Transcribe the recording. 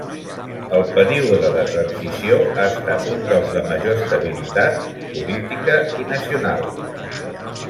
El període de transició ha estat un dels de major estabilitat política i nacional.